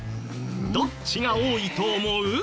どっちが多いと思う？